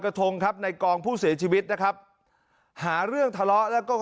ทงครับในกองผู้เสียชีวิตนะครับหาเรื่องทะเลาะแล้วก็